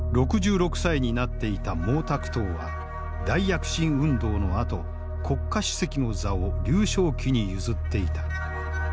６６歳になっていた毛沢東は大躍進運動のあと国家主席の座を劉少奇に譲っていた。